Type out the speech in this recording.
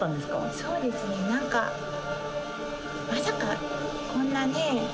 そうですね何かまさかこんなね